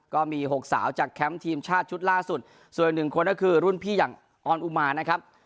ก็มี๖สาวจากแคมป์ทีมชาติชุดล่าสุดส่วนอีกหนึ่งคนก็คือรุ่นพี่อย่างออนอุมานะครับ